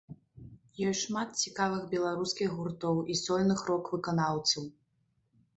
Ёсць шмат цікавых беларускіх гуртоў і сольных рок-выканаўцаў.